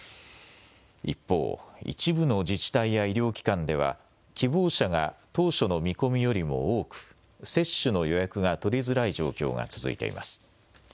一方、一部の自治体や医療機関では希望者が当初の見込みよりも多く、接種の予約が取りづらい状況が続いています。